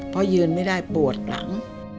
เพราะยืนไม่ได้ปวดหลัง